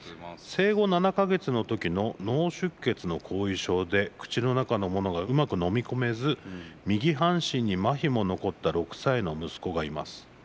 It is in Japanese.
「生後７か月の時の脳出血の後遺症で口の中のものがうまく飲み込めず右半身に麻痺も残った６歳の息子がいます。